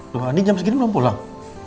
loh andin jam segini belum pulang